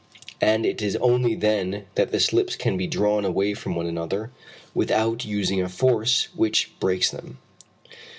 And it is only then that the slips can be drawn away one from another, without using a force which breaks them.